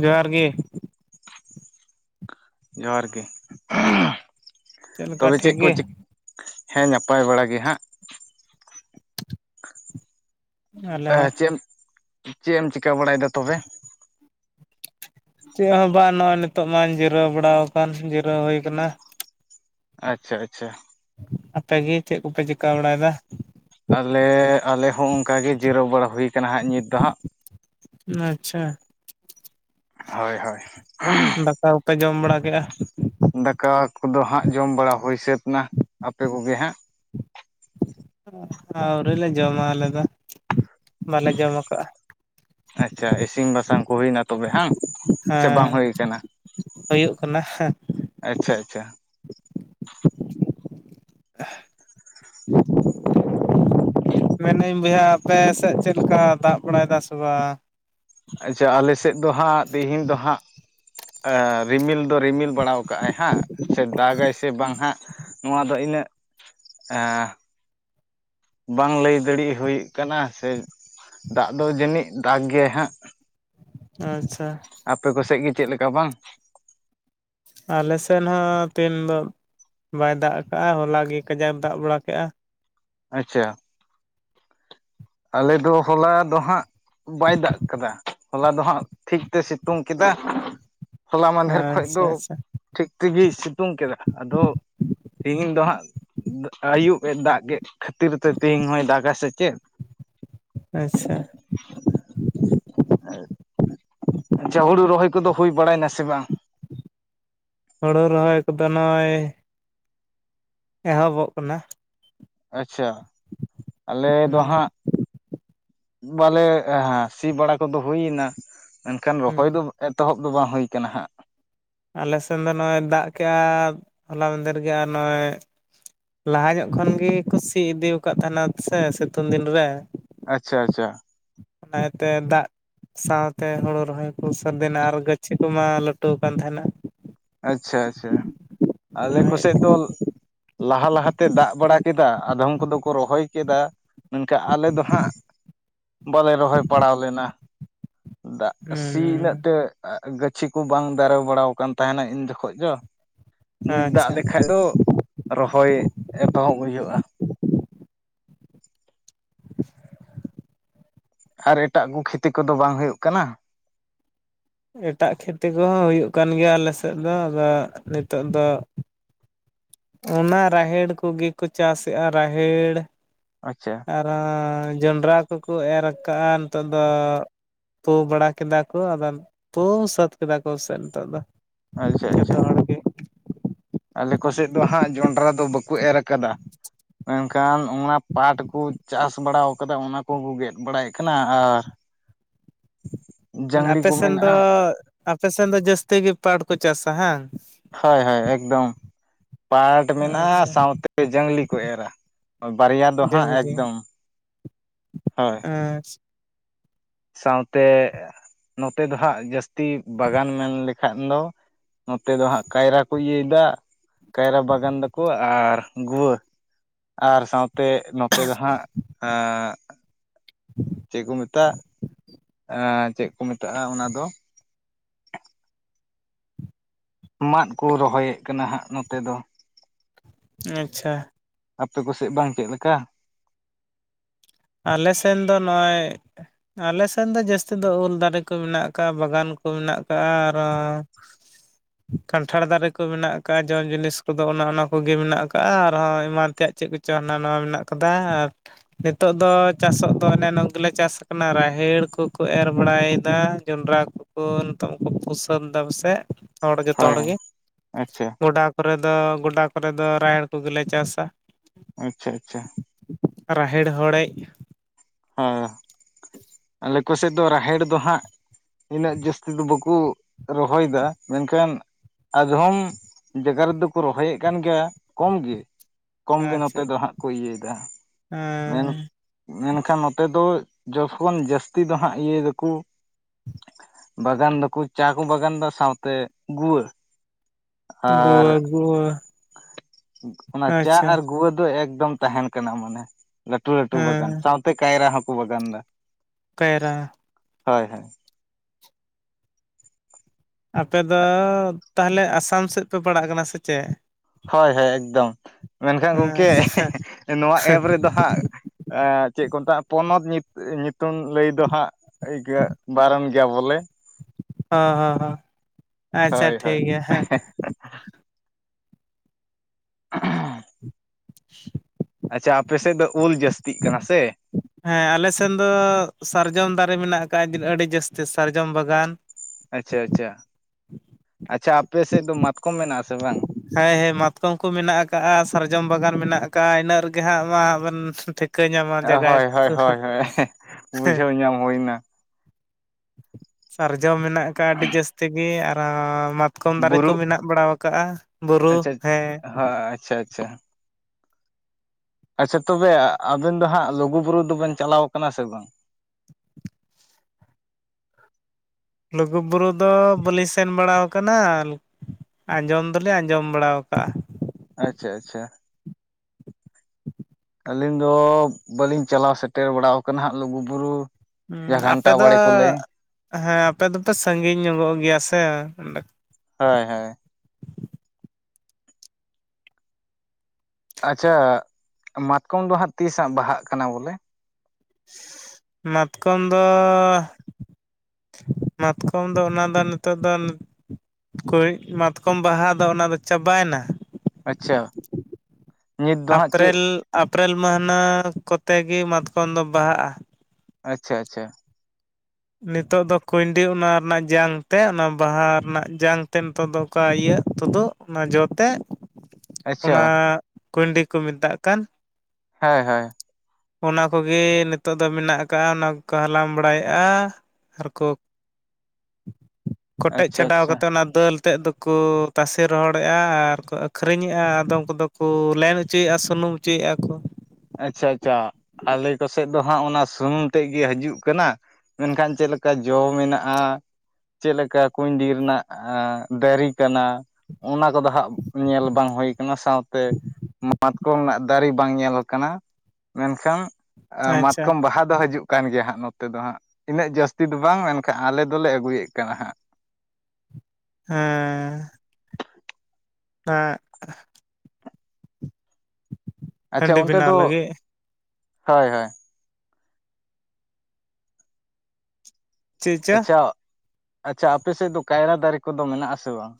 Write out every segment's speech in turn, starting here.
ᱡᱚᱦᱟᱨ ᱜᱮ᱾ ᱡᱚᱦᱟᱨ ᱜᱮ, ᱞᱮᱠᱟ ᱛᱚᱵᱮ ᱴᱷᱤᱠ ᱪᱮᱫ ᱠᱚ ᱜᱮ ᱦᱮᱸ ᱱᱟᱯᱟᱭ ᱵᱟᱲᱟ ᱜᱮ ᱦᱟᱸᱜ᱾ ᱟᱞᱮ ᱦᱚᱸ ᱪᱮᱫ-ᱪᱮᱫ ᱮᱢ ᱪᱤᱠᱟᱹ ᱵᱟᱲᱟᱭᱮᱫᱟ ᱛᱚᱵᱮ? ᱪᱮᱫ ᱦᱚᱸ ᱵᱟᱝ ᱱᱚᱜᱚᱭ ᱱᱤᱛᱚᱜ ᱢᱟᱧ ᱡᱤᱨᱟᱹᱣ ᱵᱟᱲᱟ ᱟᱠᱟᱱ ᱡᱤᱨᱟᱹᱣ ᱦᱩᱭᱩ ᱟᱠᱟᱱᱟ᱾ ᱟᱪᱪᱷᱟ, ᱟᱪᱪᱷᱟ᱾ ᱟᱯᱮ ᱜᱮ ᱪᱮᱫ ᱠᱚᱯᱮ ᱪᱤᱠᱟᱹ ᱵᱟᱲᱟᱭ ᱫᱟ? ᱟᱞᱮ-ᱟᱞᱮ ᱦᱚᱸ ᱚᱱᱠᱟᱟᱜ ᱜᱮ ᱡᱤᱨᱟᱹᱣ ᱵᱟᱲᱟ ᱦᱩᱭ ᱠᱟᱱᱟ ᱦᱟᱸᱜ ᱱᱤᱛ ᱫᱚ ᱦᱟᱸᱜ᱾ ᱟᱪᱪᱷᱟ᱾ ᱦᱳᱭ, ᱦᱳᱭ᱾ ᱫᱟᱠᱟ ᱠᱚᱯᱮ ᱡᱚᱢ ᱵᱟᱲᱟ ᱠᱮᱜ-ᱟ? ᱫᱟᱠᱟ ᱠᱚᱫᱚ ᱦᱟᱸᱜ ᱡᱚᱢ ᱵᱟᱲᱟ ᱦᱩᱭ ᱥᱟᱹᱛ ᱮᱱᱟ᱾ ᱟᱯᱮ ᱠᱚᱜᱮ ᱦᱟᱸᱜ? ᱟᱹᱣᱨᱤ ᱞᱮ ᱡᱚᱢᱟ ᱟᱞᱮ ᱫᱚ ᱵᱟᱞᱮ ᱡᱚᱢ ᱠᱟᱜᱼᱟ᱾ ᱟᱪᱪᱷᱟ ᱤᱥᱤᱱ ᱵᱟᱥᱟᱝ ᱠᱚ ᱦᱩᱭᱱᱟ ᱛᱚᱵᱮ ᱦᱟᱝ? ᱥᱮ ᱦᱮᱸ ᱵᱟᱝ ᱦᱩᱭ ᱠᱟᱱᱟ ᱦᱩᱭᱩᱜ ᱠᱟᱱᱟ᱾ ᱟᱪᱪᱷᱟ, ᱟᱪᱪᱷᱟ᱾ [unintelligible] ᱢᱮᱱ ᱫᱟᱹᱧ ᱵᱚᱭᱦᱟ ᱟᱯᱮ ᱥᱮᱫ ᱪᱮᱫ ᱞᱮᱠᱟ ᱫᱟᱜ ᱵᱟᱲᱟᱭ ᱫᱟ ᱥᱮ ᱵᱟᱝ? ᱟᱪᱪᱷᱟ ᱟᱞᱮ ᱥᱮᱫ ᱫᱚ ᱦᱟᱸᱜ ᱛᱮᱦᱤᱧ ᱫᱚ ᱦᱟᱸᱜ ᱨᱤᱢᱤᱞ ᱫᱚ ᱨᱤᱢᱤᱞ ᱵᱟᱲᱟ ᱠᱟᱜ ᱟᱭ ᱦᱟᱸᱜ ᱥᱮ ᱫᱟᱜᱟᱭ ᱥᱮ ᱵᱟᱝ ᱦᱟᱸᱜ᱾ ᱱᱚᱣᱟ ᱫᱚ ᱤᱱᱟᱹᱜ ᱵᱟᱝ ᱞᱟᱹᱭ ᱫᱟᱲᱤ ᱦᱩᱭᱩᱜ ᱠᱟᱱᱟ ᱥᱮ ᱫᱟᱜ ᱫᱚ ᱡᱟᱹᱱᱤᱡ ᱫᱟᱜ ᱜᱮᱭᱟ ᱦᱟᱸᱜ᱾ ᱟᱪᱪᱷᱟ᱾ ᱟᱯᱮ ᱠᱚ ᱥᱮᱫ ᱜᱮ ᱪᱮᱫ ᱞᱮᱠᱟ ᱵᱟᱝ? ᱟᱞᱮ ᱥᱮᱫ ᱦᱚᱸ ᱛᱤᱱ ᱫᱚ ᱵᱟᱭ ᱫᱟᱜ ᱟᱠᱟᱜᱼᱟ ᱦᱚᱞᱟ ᱜᱮ ᱠᱟᱡᱟᱠ ᱫᱟᱜ ᱵᱟᱲᱟ ᱠᱮᱜᱼᱟ᱾ ᱟᱪᱪᱷᱟ᱾ ᱟᱞᱮ ᱫᱚ ᱦᱚᱞᱟ ᱫᱚ ᱦᱟᱸᱜ ᱵᱟᱭ ᱫᱟᱜ ᱠᱟᱫᱟ ᱦᱚᱞᱟ ᱫᱚ ᱦᱟᱸᱜ ᱴᱷᱤᱠ ᱛᱮ ᱥᱤᱛᱩᱝ ᱠᱮᱫᱟ᱾ ᱦᱚᱞᱟ ᱢᱟᱫᱷᱮᱨ ᱠᱷᱚᱱ ᱫᱚ ᱟᱪᱪᱷᱟ ᱟᱪᱪᱷᱟ ᱴᱷᱤᱠ ᱛᱮᱜᱮᱭ ᱥᱤᱛᱩᱝ ᱠᱮᱫᱟ ᱟᱫᱚ ᱛᱤᱦᱤᱧ ᱫᱚ ᱦᱟᱸᱜ ᱟᱹᱭᱩᱵ ᱮ ᱫᱟᱜ ᱜᱮᱫ ᱠᱷᱟᱹᱛᱤᱨ ᱛᱮ ᱛᱮᱦᱤᱧ ᱦᱚᱭ ᱫᱟᱜᱟ ᱥᱮ ᱪᱮᱫ᱾ ᱟᱪᱪᱷᱟ᱾ ᱟᱪᱪᱷᱟ ᱦᱩᱲᱩ ᱨᱚᱦᱚᱭ ᱠᱚᱫᱚ ᱦᱩᱭ ᱵᱟᱲᱟᱭᱱᱟ ᱥᱮ ᱵᱟᱝ? ᱦᱳᱲᱩ ᱨᱚᱦᱚᱭ ᱠᱚᱫᱚ ᱱᱚᱜᱼᱚᱭ ᱮᱦᱚᱵᱚᱜ ᱠᱟᱱᱟ᱾ ᱟᱪᱪᱷᱟ ᱟᱞᱮ ᱫᱚ ᱦᱩᱸ ᱦᱟᱸᱜ ᱵᱟᱞᱮ ᱥᱤ ᱵᱟᱲᱟ ᱠᱚᱫᱚ ᱦᱩᱭᱮᱱᱟ ᱢᱮᱱᱠᱷᱟᱱ ᱦᱩᱸ ᱨᱚᱦᱚᱭ ᱫᱚ ᱮᱛᱚᱦᱚᱵ ᱫᱚ ᱵᱟᱝ ᱦᱩᱭ ᱟᱠᱟᱱᱟ ᱦᱟᱸᱜ᱾ ᱟᱞᱮ ᱥᱮᱱ ᱫᱚ ᱱᱚᱜᱼᱚᱭ ᱫᱟᱜ ᱠᱮᱜᱼᱟ ᱦᱚᱞᱟ ᱢᱟᱸᱫᱮᱨ ᱜᱮᱼᱟ ᱱᱚᱜᱼᱚᱭ ᱞᱟᱦᱟ ᱧᱚᱜ ᱠᱷᱚᱱᱜᱮ ᱠᱩ ᱥᱤ ᱤᱫᱤᱣᱠᱟᱫ ᱛᱟᱦᱮᱱᱟ ᱥᱮ ᱥᱤᱛᱩᱝ ᱫᱤᱱ ᱨᱮ᱾ ᱟᱪᱪᱷᱟ, ᱟᱪᱪᱷᱟ᱾ ᱚᱱᱟ ᱤᱭᱟᱹᱛᱮ ᱫᱟᱜ ᱥᱟᱶᱛᱮ ᱦᱩᱲᱩ ᱨᱮᱦᱚᱭ ᱠᱚ ᱥᱟᱹᱫᱱᱟ ᱟᱨ ᱜᱟᱹᱪᱷᱤ ᱠᱚᱢᱟ ᱞᱟᱹᱴᱩ ᱠᱟᱱ ᱛᱟᱦᱮᱱᱟ᱾ ᱟᱪᱪᱷᱟ, ᱟᱪᱪᱷᱟ ᱦᱩᱸ ᱟᱞᱮ ᱠᱚᱥᱮᱫ ᱫᱚ ᱞᱟᱦᱟ ᱞᱟᱦᱟᱛᱮ ᱫᱟᱜ ᱵᱟᱲᱟ ᱠᱮᱫᱟ ᱟᱫᱷᱚᱢ ᱠᱚᱫᱚ ᱠᱚ ᱨᱚᱦᱚᱭ ᱠᱮᱫᱟ᱾ ᱢᱮᱱᱠᱷᱟᱱ ᱟᱞᱮ ᱫᱚ ᱦᱟᱸᱜ ᱵᱟᱞᱮ ᱨᱚᱦᱚᱭ ᱯᱟᱲᱟᱣ ᱞᱮᱱᱟ᱾ ᱫᱟᱜ ᱥᱤ ᱤᱱᱟᱹᱜ ᱛᱮ ᱜᱟᱹᱪᱷᱤ ᱠᱚ ᱵᱟᱝ ᱫᱟᱨᱮ ᱵᱟᱲᱟᱣ ᱟᱠᱟᱱ᱾ ᱛᱟᱸᱦᱮᱱᱟ ᱤᱱ ᱡᱚᱠᱷᱚᱡ ᱫᱚ ᱱᱤᱛ ᱫᱟᱜ ᱟᱪᱪᱷᱟ ᱞᱮᱠᱷᱟᱡ ᱫᱚ ᱨᱚᱦᱚᱭ ᱮᱛᱚᱦᱚᱵ ᱦᱩᱭᱩᱜ-ᱟ᱾ [inaudible] ᱟᱨ ᱮᱴᱟᱜ ᱠᱚ ᱠᱷᱮᱛᱤ ᱠᱚᱫᱚ ᱵᱟᱝ ᱦᱩᱭᱩᱜ ᱠᱟᱱᱟ? ᱮᱴᱟᱜ ᱠᱷᱮᱛᱤ ᱠᱚᱦᱚᱸ ᱦᱩᱭᱩᱜ ᱠᱟᱱ ᱜᱮᱭᱟ ᱟᱞᱮ ᱥᱮᱫ ᱫᱚ ᱟᱫᱚ ᱱᱤᱛᱚᱜ ᱫᱚ ᱚᱱᱟ ᱨᱟᱦᱮᱲ ᱠᱚᱜᱮ ᱠᱚ ᱪᱟᱥᱮᱜ-ᱟ ᱨᱟᱦᱮᱲ ᱟᱪᱪᱷᱟ᱾ ᱟᱨᱚ ᱡᱚᱸᱰᱨᱟ ᱠᱚᱠᱚ ᱮᱨ ᱠᱟᱜ-ᱟ ᱱᱤᱛᱚᱜ ᱫᱚ ᱯᱩ ᱵᱟᱲᱟ ᱠᱮᱫᱟ ᱠᱚ ᱟᱵᱟᱨ ᱯᱩ ᱥᱟᱹᱛ ᱠᱮᱫᱟ ᱠᱚ ᱥᱮ ᱱᱤᱛᱚᱜ ᱫᱚ᱾ ᱟᱪᱪᱷᱟ ᱟᱪᱪᱷᱟ᱾ ᱡᱚᱛᱚ ᱦᱚᱲ ᱜᱮ ᱟᱞᱮ ᱠᱚ ᱥᱮᱫ ᱫᱚ ᱦᱟᱸᱜ ᱡᱚᱸᱰᱨᱟ ᱫᱚ ᱵᱟᱠᱚ ᱮᱨ ᱟᱠᱟᱫᱟ᱾ ᱢᱮᱱᱠᱷᱟᱱ ᱚᱱᱟ ᱯᱟᱴ ᱠᱚ ᱪᱟᱥ ᱵᱟᱲᱟᱣ ᱠᱟᱫᱟ ᱚᱱᱟ ᱠᱚᱠᱚ ᱜᱮᱫ ᱵᱟᱲᱟᱭᱮᱫ ᱠᱟᱱᱟ ᱟᱨ ᱡᱟᱝᱞᱤ ᱟᱯᱮ ᱠᱚ ᱥᱮᱱ ᱫᱚ ᱢᱮᱱᱟᱜᱼᱟ ᱟᱯᱮ ᱥᱮᱱ ᱫᱚ ᱡᱟᱹᱥᱛᱤ ᱜᱮ ᱯᱟᱴ ᱠᱚ ᱪᱟᱥᱟ ᱦᱟᱝ? ᱦᱳᱭ ᱦᱳᱭ ᱮᱠᱫᱚᱢ ᱯᱟᱴ ᱢᱮᱱᱟᱜ-ᱟ ᱟᱪᱪᱷᱟ ᱥᱟᱶᱛᱮ ᱡᱟᱝᱞᱤ ᱠᱚ ᱮᱨᱟ᱾ ᱵᱟᱨᱭᱟ ᱫᱚ ᱦᱟᱸᱜ ᱡᱟᱝᱞᱤ ᱮᱠᱫᱚᱢ, ᱦᱳᱭ᱾ ᱦᱮᱸ᱾ ᱥᱟᱶᱛᱮ ᱱᱚᱛᱮ ᱫᱚ ᱦᱟᱸᱜ ᱡᱟᱹᱥᱛᱤ ᱵᱟᱜᱟᱱ ᱢᱮᱱ ᱞᱮᱠᱷᱟᱱ ᱫᱚ ᱱᱚᱛᱮ ᱫᱚ ᱦᱟᱸᱜ ᱠᱟᱭᱨᱟ ᱠᱚ ᱤᱭᱟᱹᱭᱮᱫᱟ᱾ ᱠᱟᱭᱨᱟ ᱵᱟᱜᱟᱱ ᱫᱟᱠᱚ ᱟᱨ ᱜᱩᱣᱟᱹ, ᱟᱨ ᱥᱟᱶᱛᱮ ᱱᱚᱛᱮ ᱫᱚ ᱦᱟᱸᱜ ᱮᱸᱻ ᱪᱮᱫ ᱠᱚ ᱢᱮᱛᱟᱜ, ᱮᱸᱻ ᱪᱮᱫ ᱠᱚ ᱢᱮᱛᱟᱜ-ᱟ ᱚᱱᱟ ᱫᱚ? ᱢᱟᱫ ᱠᱚ ᱨᱚᱦᱚᱭᱮᱫ ᱠᱟᱱᱟ ᱦᱟᱸᱜ ᱱᱚᱛᱮ ᱫᱚ᱾ ᱟᱪᱪᱷᱟ᱾ ᱟᱯᱮ ᱠᱚᱥᱮᱫ ᱵᱟᱝ ᱪᱮᱫ ᱞᱮᱠᱟ? ᱟᱞᱮ ᱥᱮᱱ ᱫᱚ ᱱᱚᱜ-ᱚᱭ ᱟᱞᱮ ᱥᱮᱱ ᱫᱚ ᱡᱟᱹᱥᱛᱤ ᱫᱚ ᱩᱞ ᱫᱟᱨᱮ ᱠᱚ ᱢᱮᱱᱟᱜ ᱠᱟᱜ-ᱟ, ᱵᱟᱜᱟᱱ ᱠᱚ ᱢᱮᱱᱟᱜ ᱠᱟᱜ-ᱟ ᱟᱨ [inaudible] ᱠᱟᱱᱴᱷᱟᱲ ᱫᱟᱨᱮ ᱠᱚ ᱢᱮᱱᱟᱜ ᱟᱠᱟᱜ-ᱟ, ᱡᱚᱢ ᱡᱤᱱᱤᱥ ᱠᱚᱫᱚ ᱚᱱᱮ ᱚᱱᱟ ᱠᱚᱜᱮ ᱢᱮᱱᱟᱜ ᱟᱠᱟᱜ-ᱟ ᱟᱨᱦᱚᱸ ᱮᱢᱟᱱ ᱛᱮᱭᱟᱜ ᱪᱮᱫ ᱠᱚᱪᱚᱝ ᱦᱟᱱᱟ ᱱᱟᱣᱟ ᱢᱮᱱᱟᱜ ᱠᱟᱫᱟ ᱟᱨ ᱱᱤᱛᱚᱜ ᱫᱚ ᱪᱟᱥᱚᱜ ᱫᱚ ᱦᱟᱱᱮ ᱜᱮᱞᱮ ᱪᱟᱥ ᱠᱟᱱᱟ ᱨᱟᱦᱮᱲ ᱠᱚᱠᱚ ᱮᱨ ᱵᱟᱲᱟᱭᱮᱫᱟ ᱡᱚᱸᱰᱨᱟ ᱠᱚ ᱱᱤᱛᱚᱜ ᱢᱟᱠᱚ ᱯᱩ ᱥᱟᱹᱛ ᱫᱟ ᱯᱟᱥᱮᱜ ᱦᱚᱲ ᱡᱚᱛᱚ ᱦᱳᱭ ᱦᱚᱲ ᱦᱳᱭ ᱜᱮ ᱟᱪᱪᱷᱟ ᱜᱚᱰᱟ ᱠᱚᱨᱮ ᱫᱚ ᱜᱚᱰᱟ ᱠᱚᱨᱮ ᱫᱚ ᱨᱟᱦᱮᱲ ᱠᱚᱜᱮᱞᱮ ᱪᱟᱥᱟ᱾ ᱟᱪᱪᱷᱟ ᱟᱪᱪᱷᱟ᱾ ᱨᱟᱦᱮᱲ, ᱦᱚᱲᱮᱡ ᱦᱚᱸ᱾ [inaudible] ᱟᱞᱮ ᱠᱚ ᱥᱮᱫ ᱫᱚ ᱨᱟᱦᱮᱲ ᱫᱚ ᱦᱟᱸᱜ ᱩᱱᱟᱹᱜ ᱡᱟᱹᱥᱛᱤ ᱫᱚ ᱵᱟᱠᱚ ᱨᱚᱦᱚᱭᱮᱫᱟ ᱢᱮᱱᱠᱷᱟᱱ ᱟᱫᱷᱚᱢ ᱡᱟᱜᱜᱟ ᱨᱮᱫᱚ ᱠᱚ ᱨᱚᱦᱚᱭᱮᱜ ᱠᱟᱱ ᱜᱮᱭᱟ ᱠᱚᱢ ᱜᱮ᱾ ᱠᱚᱢ ᱜᱮ ᱟᱪᱪᱷᱟ ᱱᱚᱛᱮ ᱫᱚ ᱦᱟᱸᱜ ᱠᱚ ᱤᱭᱟᱹᱭᱮᱫᱟ ᱢᱮᱱ ᱦᱮᱸ ᱢᱮᱱ ᱢᱮᱱᱠᱷᱟᱱ ᱱᱚᱛᱮ ᱫᱚ ᱡᱚᱠᱷᱚᱱ ᱡᱟᱹᱥᱛᱤ ᱫᱚ ᱦᱟᱸᱜ ᱤᱭᱟᱹᱭ ᱫᱟᱠᱚ ᱵᱟᱜᱟᱱ ᱫᱚᱠᱩ ᱪᱟ ᱠᱩ ᱵᱟᱜᱟᱱᱫᱟ ᱥᱟᱶᱛᱮ ᱜᱩᱣᱟᱹ᱾ ᱟᱨ ᱜᱩᱣᱟᱹ ᱜᱩᱣᱟᱹ᱾ ᱚᱱᱟ ᱪᱟ ᱟᱪᱪᱷᱟ ᱟᱨ ᱜᱩᱣᱟᱹ ᱫᱚ ᱮᱠᱫᱚᱢ ᱛᱟᱦᱮᱱ ᱠᱟᱱᱟ ᱢᱟᱱᱮ ᱞᱟᱹᱴᱩ ᱞᱟᱹᱴᱩ ᱵᱟᱜᱟᱱ᱾ ᱦᱮᱸ ᱥᱟᱶᱛᱮ ᱠᱟᱭᱨᱟ ᱦᱚᱸᱠᱚ ᱵᱟᱜᱟᱱ ᱮᱫᱟ᱾ ᱠᱟᱭᱨᱟ᱾ ᱦᱳᱭ ᱦᱳᱭ᱾ ᱟᱯᱮ ᱫᱚ ᱛᱟᱦᱞᱮ ᱟᱥᱟᱢ ᱥᱮᱫ ᱯᱮ ᱯᱟᱲᱟᱜ ᱠᱟᱱᱟ ᱥᱮ ᱪᱮᱫ? ᱦᱳᱭ ᱦᱳᱭ ᱮᱠᱫᱚᱢ ᱢᱮᱱᱠᱷᱟᱱ ᱜᱚᱝᱠᱮ, ᱟᱪᱪᱷᱟ ᱱᱚᱣᱟ ᱮᱯ ᱨᱮᱫᱚ ᱦᱟᱸᱜ ᱮᱸ ᱪᱮᱫ ᱠᱚ ᱢᱮᱛᱟᱜᱼᱟ ᱯᱚᱱᱚᱛ ᱧᱩᱛ ᱧᱩᱛᱩᱢ ᱞᱟᱹᱭ ᱫᱚ ᱦᱟᱸᱜ [unintelligible] ᱵᱟᱨᱟᱱ ᱜᱮᱭᱟ ᱵᱚᱞᱮ᱾ ᱦᱚᱸ ᱦᱚᱸ ᱦᱚᱸ ᱟᱪᱪᱷᱟ ᱦᱳᱭ ᱴᱷᱤ ᱦᱳᱭ ᱜᱤᱭᱟ ᱦᱮᱸ᱾ [inaudible] [inaudible] ᱟᱪᱪᱷᱟ ᱟᱯᱮ ᱥᱮᱫ ᱫᱚ ᱩᱞ ᱡᱟᱹᱥᱛᱤᱜ ᱠᱟᱱᱟ ᱥᱮ? ᱦᱮᱸ ᱟᱞᱮ ᱥᱮᱱ ᱫᱚ ᱥᱟᱨᱡᱚᱢ ᱫᱟᱨᱮ ᱢᱮᱱᱟᱜ ᱟᱠᱟᱜᱼᱟ ᱟᱹᱰᱤ ᱡᱟᱹᱥᱛᱤ ᱥᱟᱨᱡᱚᱢ ᱵᱟᱜᱟᱱ᱾ ᱟᱪᱪᱷᱟ ᱟᱪᱪᱷᱟ, ᱟᱪᱪᱷᱟ ᱟᱯᱮ ᱥᱮᱫ ᱫᱚ ᱢᱟᱛᱠᱚᱢ ᱢᱮᱱᱟᱜᱼᱟ ᱥᱮ ᱵᱟᱝ? ᱦᱮᱸ ᱦᱮᱸ ᱢᱟᱛᱠᱚᱢ ᱠᱚ ᱢᱮᱱᱟᱜ ᱟᱠᱟᱜᱼᱟ ᱥᱟᱨᱡᱚᱢ ᱵᱟᱜᱟᱱ ᱢᱮᱱᱟᱜ ᱟᱠᱟᱟᱜᱼᱟ ᱤᱱᱟᱹᱜ ᱨᱮᱜᱮ ᱦᱟᱸᱜ ᱢᱟ ᱟᱵᱮᱱ ᱴᱷᱤᱼᱼ ᱠᱟᱹ ᱧᱟᱢᱟ ᱡᱟᱭᱜᱟ ᱦᱳᱭ ᱦᱳᱭ ᱦᱳᱭ ᱦᱳᱭ ᱵᱩᱡᱷᱟᱹᱣ ᱧᱟᱢ ᱦᱩᱭᱱᱟ ᱥᱟᱨᱡᱚᱢ ᱢᱮᱱᱟᱜ ᱠᱟᱜᱼᱟ ᱟᱹᱰᱤ ᱡᱟᱹᱥᱛᱤ ᱜᱤ ᱟᱨᱚ ᱢᱟᱛᱠᱚᱢ ᱫᱟᱨᱮ ᱠᱚ ᱵᱩᱨᱩ ᱢᱤᱱᱟᱜ ᱵᱟᱲᱟᱣ ᱟᱠᱟᱟᱜᱼᱟ᱾ ᱵᱩᱨᱩ ᱦᱮᱸ᱾ ᱟ ᱟᱪᱪᱷᱟ ᱟᱪᱪᱷᱟ᱾ ᱟᱪᱪᱷᱟ ᱛᱚᱵᱮ ᱟᱵᱮᱱ ᱫᱚ ᱦᱟᱸᱜ ᱞᱩᱜᱩ ᱵᱩᱨᱩ ᱫᱚᱵᱮᱱ ᱪᱟᱞᱟᱣ ᱠᱟᱱᱟ ᱥᱮ ᱵᱟᱝ? ᱞᱩᱜᱩ ᱵᱩᱨᱩ ᱫᱚ ᱵᱟᱹᱞᱤᱧ ᱥᱮᱱ ᱵᱟᱲᱟᱣ ᱠᱟᱱᱟ᱾ ᱟᱸᱡᱚᱢ ᱫᱚᱞᱤᱧ ᱟᱸᱡᱚᱢ ᱵᱟᱲᱟᱣ ᱠᱟᱜᱼᱟ᱾ ᱟᱪᱪᱷᱟ ᱟᱪᱪᱷᱟ᱾ ᱟᱹᱞᱤᱧ ᱫᱚ ᱵᱟᱹᱞᱤᱧ ᱪᱟᱞᱟᱣ ᱥᱮᱴᱮᱨ ᱵᱟᱲᱟᱣ ᱠᱟᱱᱟ ᱦᱟᱸᱜ ᱞᱩᱜᱩ ᱵᱩᱨᱩ᱾ ᱩᱸ ᱟᱯᱮ ᱫᱚ ᱦᱮᱸ ᱟᱯᱮ ᱫᱚᱯᱮ ᱥᱟᱺᱜᱤᱧ ᱧᱚᱜᱚᱜ ᱜᱤᱭᱟ ᱥᱮ, ᱚᱸᱰᱮ ᱦᱳᱭ ᱦᱳᱭ᱾ ᱟᱪᱪᱷᱟ, ᱢᱟᱛᱠᱚᱢ ᱫᱚ ᱦᱟᱸᱜ ᱛᱤᱥ ᱦᱟᱸᱜ ᱵᱟᱦᱟᱜ ᱠᱟᱱᱟ ᱵᱚᱞᱮ? ᱢᱟᱛᱠᱚᱢ ᱫᱚ ᱢᱟᱛᱠᱚᱢ ᱫᱚ ᱚᱱᱟ ᱫᱚ ᱱᱤᱛᱚᱜ ᱫᱚ ᱠᱩᱭ, ᱢᱟᱛᱠᱚᱢ ᱵᱟᱦᱟ ᱫᱚ ᱚᱱᱟ ᱫᱚ ᱪᱟᱵᱟᱭᱱᱟ᱾ ᱟᱪᱪᱷᱟ᱾ ᱱᱤᱛ ᱫᱚ ᱦᱟᱸᱜ ᱪᱮᱫ ᱟᱯᱨᱤᱞ ᱟᱯᱨᱤᱞ ᱢᱟᱹᱦᱱᱟᱹ ᱠᱚᱛᱮ ᱜᱮ ᱢᱟᱛᱠᱚᱢ ᱫᱚ ᱵᱟᱦᱟᱜᱼᱟ᱾ ᱟᱪᱪᱷᱟ ᱟᱪᱪᱷᱟ᱾ ᱱᱤᱛᱚᱜ ᱫᱚ ᱠᱩᱭᱰᱤ ᱚᱱᱟ ᱨᱤᱱᱟᱜ ᱡᱟᱝ ᱛᱮᱫ ᱚᱱᱟ ᱵᱟᱦᱟ ᱨᱮᱱᱟᱜ ᱡᱟᱝ ᱛᱮᱫ ᱱᱤᱛᱚᱜ ᱫᱚ ᱚᱠᱟ ᱤᱭᱟᱹᱜ ᱛᱩᱫᱩᱜ, ᱚᱱᱟ ᱡᱚ ᱛᱮᱫ, ᱟᱪᱪᱷᱟ ᱚᱱᱟ ᱠᱩᱭᱰᱤ ᱠᱚ ᱢᱮᱛᱟᱜ ᱠᱟᱱ᱾ ᱦᱳᱭ ᱦᱳᱭ᱾ ᱚᱱᱟ ᱠᱚᱜᱮ ᱱᱤᱛᱳᱜ ᱫᱚ ᱢᱮᱱᱟᱜ ᱟᱠᱟᱜᱼᱟ ᱚᱱᱟ ᱠᱚᱠᱚ ᱦᱟᱞᱟᱝ ᱵᱟᱲᱟᱭᱮᱜᱼᱟ᱾ ᱟᱨᱠᱚ ᱠᱚᱴᱮᱡ ᱟᱪᱪᱷᱟ ᱪᱷᱟᱰᱟᱣ ᱟᱪᱪᱷᱟ ᱠᱟᱛᱮ ᱚᱱᱟ ᱫᱟᱹᱞ ᱛᱮᱫ ᱫᱚ ᱠᱚ ᱛᱟᱥᱮ ᱨᱚᱦᱚᱲᱮᱜᱼᱟ ᱟᱨ ᱠᱚ ᱟᱹᱠᱷᱨᱤᱧᱮᱜᱼᱟ, ᱟᱫᱚᱢ ᱠᱚᱫᱚ ᱠᱚ ᱞᱮᱱ ᱚᱪᱚᱭᱮᱜᱼᱟ ᱥᱩᱱᱩᱢ ᱪᱚᱭᱮᱜᱼᱟ ᱠᱚ᱾ ᱟᱪᱪᱷᱟ ᱟᱪᱪᱷᱟ, ᱟᱞᱮ ᱠᱚᱥᱮᱫ ᱫᱚ ᱦᱟᱸᱜ ᱚᱱᱟ ᱥᱩᱱᱩᱢ ᱛᱮᱫ ᱜᱮ ᱦᱟᱹᱡᱩᱜ ᱠᱟᱱᱟ ᱢᱮᱱᱠᱷᱟᱱ ᱪᱮᱫ ᱞᱤᱠᱟ ᱡᱚ ᱢᱮᱱᱟᱜᱼᱟ ᱪᱮᱫ ᱞᱮᱠᱟ ᱠᱩᱸᱭᱰᱤ ᱨᱮᱱᱟᱜ ᱮ ᱫᱟᱹᱨᱤ ᱠᱟᱱᱟ, ᱚᱱᱟ ᱠᱚᱫᱚ ᱦᱟᱸᱜ ᱧᱮᱞ ᱵᱟᱝ ᱦᱩᱭ ᱚᱱᱟ ᱥᱟᱶᱛᱮ ᱢᱟᱛᱠᱚᱢ ᱨᱮᱱᱟᱜ ᱫᱟᱨᱮ ᱵᱟᱝ ᱧᱮᱞ ᱠᱟᱱᱟ ᱢᱮᱱᱠᱷᱟᱱᱼᱼ ᱟᱪᱪᱷᱟ ᱢᱟᱛᱠᱚᱢ ᱵᱟᱦᱟ ᱫᱚ ᱦᱟᱡᱩᱜᱼᱼ ᱠᱟᱱ ᱜᱮᱭᱟ ᱦᱟᱸᱜ ᱱᱚᱛᱮ ᱫᱚ ᱦᱟᱸᱜ, ᱤᱱᱟᱹᱜ ᱡᱟᱹᱥᱛᱤ ᱫᱚ ᱵᱟᱝ ᱢᱮᱱᱠᱷᱟᱱ ᱟᱞᱮ ᱫᱚᱞᱮ ᱟᱹᱜᱩᱭᱮᱜ ᱠᱟᱱᱟ ᱦᱟᱸᱜ᱾ ᱦᱮᱸᱻ ᱮᱸᱜ ᱟᱪᱪᱷᱟ ᱦᱟᱺᱰᱤ ᱚᱱᱛᱮ ᱵᱮᱱᱟᱣ ᱫᱚ, ᱞᱟᱹᱜᱤᱫ ᱦᱳᱭ ᱦᱳᱭ, ᱪᱮᱫ ᱪᱚ ᱟᱪᱪᱷᱟ, ᱟᱪᱪᱷᱟ ᱟᱯᱮ ᱥᱮᱫ ᱫᱚ ᱠᱟᱭᱨᱟ ᱫᱟᱨᱮ ᱠᱚᱫᱚ ᱢᱮᱱᱟᱜ ᱟᱥᱮ ᱵᱟᱝ?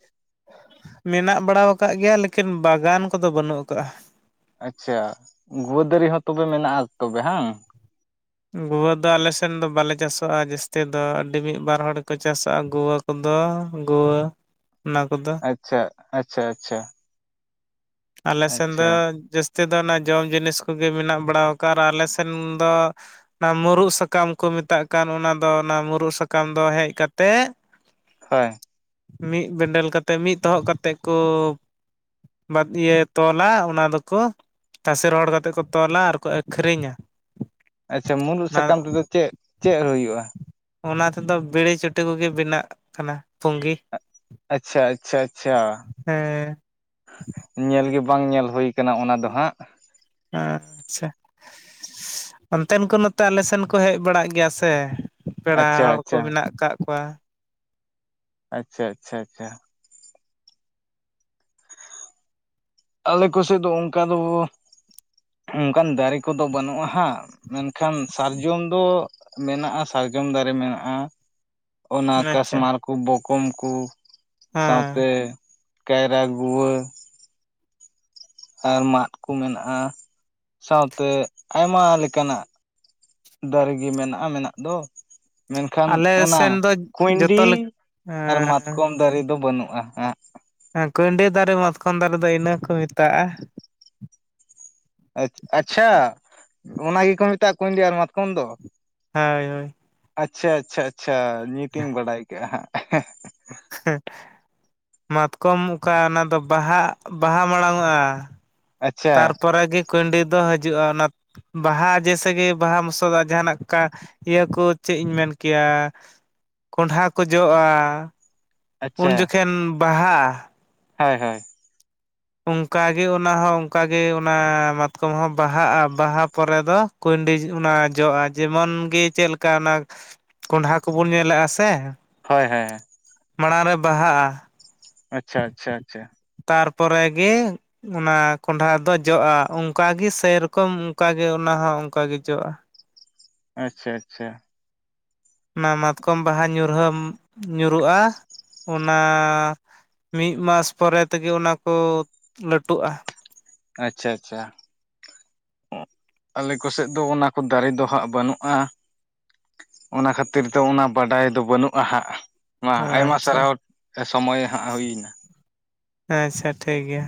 ᱢᱮᱱᱟᱜ ᱵᱟᱲᱟ ᱟᱠᱟᱫ ᱜᱮᱭᱟ, ᱞᱮᱠᱤᱱ ᱵᱟᱜᱟᱱ ᱠᱚᱫᱚ ᱵᱟᱹᱱᱩᱜ ᱟᱠᱟᱼᱟ᱾ ᱟᱪᱪᱷᱟ, ᱜᱩᱣᱟᱹ ᱫᱟᱨᱤ ᱦᱚᱸ ᱛᱚᱵᱮ ᱢᱮᱱᱟᱜᱼᱟ ᱛᱚᱵᱮ ᱦᱟᱝ? ᱜᱩᱣᱟᱹ ᱫᱚ ᱟᱞᱮ ᱥᱮᱱ ᱫᱚ ᱵᱟᱞᱮ ᱪᱟᱥᱚᱜᱼᱟ ᱡᱟᱹᱥᱛᱤ ᱫᱚ, ᱟᱹᱰᱤ ᱢᱤᱫ ᱵᱟᱨ ᱦᱚᱲ ᱜᱮᱠᱚ ᱪᱟᱥᱚᱜᱼᱟ ᱜᱩᱣᱟᱹ ᱠᱚᱫᱚ ᱜᱩᱣᱟᱹ ᱚᱱᱟ ᱠᱚᱫᱚ᱾ ᱟᱪᱪᱷᱟ, ᱟᱪᱪᱷᱟ, ᱟᱪᱪᱷᱟ ᱟᱞᱮ ᱥᱮᱱ ᱫᱚ ᱟᱪᱪᱷᱟ ᱡᱟᱹᱥ ᱛᱮᱫᱚ ᱚᱱᱟ ᱡᱚᱢ ᱡᱤᱱᱤᱥ ᱠᱚᱜᱮ ᱢᱮᱱᱟᱜ ᱵᱟᱲᱟ ᱠᱟᱜᱼᱟ ᱟᱨ ᱟᱞᱮ ᱥᱮᱱ ᱫᱚ, ᱚᱱᱟ ᱢᱩᱨᱩᱩᱜ ᱥᱟᱠᱟᱢ ᱠᱚ ᱢᱮᱛᱟᱜ ᱠᱟᱱ, ᱚᱱᱟ ᱫᱚ ᱚᱱᱟ ᱢᱩᱨᱩᱩᱜ ᱥᱟᱠᱟᱢ ᱫᱚ ᱦᱮᱡ ᱠᱟᱛᱮ, ᱦᱳᱭ, ᱢᱤᱫ ᱵᱮᱸᱰᱮᱞ ᱠᱟᱛᱮᱫ, ᱢᱤᱫ ᱛᱚᱦᱚᱵ ᱠᱟᱛᱮᱫ ᱠᱳ, ᱵᱟ ᱤᱭᱟᱹ ᱛᱚᱞᱟ ᱚᱱᱟ ᱫᱚᱠᱚ ᱛᱟᱥᱮ ᱨᱚᱦᱚᱲ ᱠᱟᱛᱮᱫ ᱠᱚ ᱛᱚᱞᱟ ᱟᱨᱠᱚ ᱟᱹᱠᱷᱨᱤᱧᱟ, ᱟᱪᱪᱷᱟ, ᱢᱩᱨᱩᱫ ᱚᱱᱟ ᱥᱟᱠᱟᱢ ᱛᱮᱫᱚ ᱪᱮᱫ, ᱪᱮᱫ ᱦᱩᱭᱩᱜᱼᱟ? ᱚᱱᱟ ᱛᱮᱫᱚ ᱵᱤᱲᱤ ᱪᱩᱴᱤ ᱠᱚᱜᱮ ᱵᱮᱱᱟᱜ ᱠᱟᱱᱟ, ᱯᱩᱸᱜ ᱟᱪᱪᱷᱟ ᱟᱪᱪᱷᱟ, ᱟᱪᱪᱷᱟ ᱧᱮᱞᱜᱮ ᱵᱟᱝ ᱧᱮᱞ ᱦᱩᱭᱩ ᱟᱠᱟᱱᱟ ᱚᱱᱟ ᱫᱚ ᱦᱟᱸᱜ, ᱟᱪᱪᱷᱟ, ᱚᱱᱛᱮᱱ ᱠᱚ ᱱᱚᱛᱮ ᱟᱞᱮ ᱥᱮᱱ ᱠᱚ ᱦᱮᱡ ᱵᱟᱲᱟᱜ ᱜᱮᱭᱟ ᱥᱮ, ᱯᱮᱲᱟ ᱟᱪᱪᱷᱟ ᱦᱚᱲ ᱠᱚ ᱟᱪᱪᱷᱟ ᱢᱮᱱᱟᱜ ᱟᱠᱟᱫ ᱠᱚᱣᱟ, ᱟᱪᱪᱷᱟ ᱟᱪᱪᱷᱟ ᱟᱪᱪᱷᱟ, ᱟᱞᱮ ᱠᱚ ᱥᱮᱫ ᱫᱚ ᱚᱱᱠᱟ ᱫᱚ, ᱚᱱᱠᱟᱱ ᱫᱟᱨᱮ ᱠᱚᱫᱚ ᱵᱟᱹᱱᱩᱜᱼᱟ ᱦᱟᱸᱜ, ᱢᱮᱱᱠᱷᱟᱱ ᱥᱟᱨᱡᱚᱢ ᱫᱚ ᱢᱮᱱᱟᱜᱼᱟ, ᱥᱟᱨᱡᱚᱢ ᱫᱟᱨᱮ ᱢᱮᱱᱟᱜᱼᱟ᱾ ᱚᱱᱟ ᱟᱪᱪᱷᱟ ᱠᱟᱥᱢᱟᱨ ᱠᱚ, ᱵᱚᱠᱚᱢ ᱠᱚ, ᱦᱮᱸ ᱥᱟᱶᱛᱮ ᱠᱟᱭᱨᱟ, ᱜᱩᱣᱟᱹ ᱟᱨ ᱢᱟᱫ ᱠᱚ ᱢᱮᱱᱟᱜᱼᱟ, ᱥᱟᱶᱛᱮ ᱟᱭᱢᱟ ᱞᱮᱠᱟᱱᱟᱜ ᱫᱟᱨᱜᱮ ᱜᱤ ᱢᱮᱱᱟᱜᱼᱟ ᱢᱮᱱᱟᱜ ᱫᱚ᱾ ᱢᱮᱱᱠᱷᱟᱱ ᱟᱞᱮ ᱚᱱᱟ ᱥᱮᱱ ᱫᱚ ᱡᱚᱛᱚ ᱠᱩᱭᱰᱤ ᱞᱮᱠᱟ ᱟᱨ ᱢᱟᱛᱠᱚᱢ ᱫᱟᱨᱮ ᱫᱚ ᱵᱟᱹᱱᱩᱜᱼᱟ᱾ᱟ ᱦᱮᱸ ᱠᱩᱭᱰᱤ ᱫᱟᱨᱮ ᱢᱟᱛᱠᱚᱱ ᱫᱟᱨᱮ ᱫᱚ ᱤᱱᱟᱹ ᱠᱚ ᱢᱮᱛᱟᱜᱼᱟ᱾ ᱟᱪ ᱟᱪᱪᱷᱟ, ᱚᱱᱟ ᱜᱮᱠᱚ ᱢᱮᱛᱟᱜᱼᱟ ᱠᱩᱭᱰᱤ ᱟᱨ ᱢᱟᱛᱠᱚᱢ ᱫᱚ? ᱦᱳᱭ, ᱦᱳᱭ ᱟᱪᱪᱷᱟ, ᱟᱪᱪᱷᱟ, ᱟᱪᱪᱷᱟ, ᱱᱤᱛ ᱤᱧ ᱵᱟᱰᱟᱭ ᱠᱮᱜᱼᱟ ᱦᱟᱸᱜ, ᱢᱟᱛᱠᱚᱢ ᱚᱠᱟ ᱚᱱᱟ ᱫᱚ ᱵᱟᱦᱟ, ᱵᱟᱦᱟ ᱢᱟᱲᱟᱝ ᱚᱜᱼᱟ, ᱟᱪᱪᱷᱟ ᱛᱟᱨᱯᱚᱨᱮ ᱜᱤ ᱠᱩᱭᱰᱤ ᱫᱚ ᱦᱤᱡᱩᱜᱼᱟ ᱚᱱᱟ ᱵᱟᱦᱟ ᱡᱮᱭᱥᱮ ᱠᱤ ᱵᱟᱦᱟ ᱢᱚᱥᱚᱫ ᱡᱟᱦᱟᱱᱟᱜ ᱠᱟ ᱤᱭᱟᱹ ᱠᱩ ᱪᱮᱫ ᱤᱧ ᱢᱮᱱ ᱠᱮᱭᱟ ᱠᱚᱦᱰᱷᱟ ᱠᱚ ᱡᱚᱜᱼᱟ᱾ ᱩᱱ ᱟᱪᱪᱷᱟ ᱡᱚᱠᱷᱮᱱ ᱵᱟᱦᱟᱼᱟ᱾ ᱦᱳᱭ, ᱦᱳᱭ, ᱚᱱᱠᱟᱜᱮ ᱚᱱᱟ ᱦᱚᱸ ᱚᱱᱠᱟᱜᱮ ᱚᱱᱟ, ᱢᱟᱛᱠᱚᱢ ᱦᱚᱸ ᱵᱟᱦᱟᱜᱼᱟ ᱵᱟᱦᱟ ᱯᱚᱨᱮ ᱫᱚ ᱠᱩᱭᱰᱤ ᱚᱱᱟ ᱡᱚᱜᱼᱟ ᱡᱮᱢᱚᱱ ᱜᱮ ᱪᱮᱫ ᱞᱮᱠᱟ ᱚᱱᱟ ᱠᱚᱸᱰᱷᱟ ᱠᱚᱵᱚᱱ ᱧᱮᱞᱮᱫᱼᱟ ᱥᱮ᱾ ᱦᱳᱭ, ᱦᱳᱭ᱾ ᱢᱟᱲᱟᱝ ᱨᱮ ᱵᱟᱦᱟᱜᱼᱟ᱾ ᱟᱪᱪᱷᱟ, ᱟᱪᱪᱷᱟ, ᱟᱪᱪᱷᱟ᱾ ᱛᱟᱨᱯᱚᱨᱮ ᱜᱮ ᱚᱱᱟ ᱠᱚᱸᱰᱟ ᱫᱚ ᱡᱚᱜᱼᱟ ᱚᱱᱠᱟᱜᱮ ᱥᱮᱨᱚᱠᱚᱢ ᱚᱱᱠᱟᱜᱮ ᱚᱱᱟ ᱦᱚᱸ ᱚᱱᱠᱟᱜᱮ ᱡᱚᱜᱼᱟ᱾ ᱟᱪᱪᱷᱟ, ᱟᱪᱪᱷᱟ᱾ ᱚᱱᱟ ᱢᱟᱛᱠᱚᱢ ᱵᱟᱦᱟ ᱧᱩᱨᱦᱟᱹ ᱧᱩᱨᱩᱜᱼᱟ ᱚᱱᱟ ᱢᱤᱫ ᱢᱟᱥ ᱯᱚᱨᱮ ᱛᱮᱜᱮ ᱚᱱᱟ ᱠᱚ ᱞᱟᱹᱴᱩᱜᱼᱟ᱾ ᱟᱪᱪᱷᱟ, ᱟᱪᱪᱷᱟ᱾ ᱟᱞᱮ ᱠᱚᱥᱮᱫ ᱫᱚ ᱚᱱᱟ ᱠᱚ ᱫᱟᱨᱮ ᱫᱚ ᱦᱟᱸᱜ ᱵᱟᱹᱱᱩᱜᱼᱟ᱾ ᱚᱱᱟ ᱠᱷᱟᱹᱛᱤᱨ ᱛᱮ ᱚᱱᱟ ᱵᱟᱰᱟᱭ ᱫᱚ ᱵᱟᱹᱱᱩᱜᱼᱟ ᱦᱟᱸᱜ᱾ ᱢᱟ ᱟᱭᱢᱟ ᱟᱪᱪᱷᱟ ᱥᱟᱨᱦᱟᱣ ᱥᱚᱢᱚᱭ ᱦᱟᱸᱜ ᱦᱩᱭ ᱮᱱᱟ᱾ ᱟᱪᱪᱷᱟ ᱴᱷᱤᱠ ᱜᱮᱭᱟ᱾